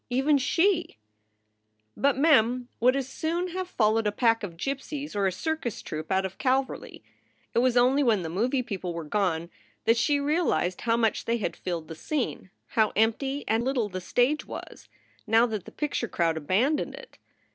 Even she ! But Mem would as soon have followed a pack of gypsies or a circus troupe out of Calverly. It was only when the movie people were gone that she realized how much they had filled the scene, how empty and little the stage was, now that the picture crowd abandoned it.